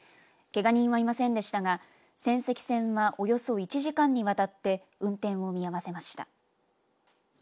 けが人はいませんでしたが仙石線はおよそ１時間にわたって運転を見合わせました。